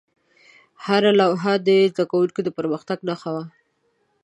هره لوحه د زده کوونکو د پرمختګ نښه وه.